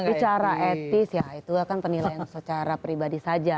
bicara etis ya itu akan penilaian secara pribadi saja